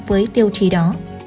với tiêu chí đó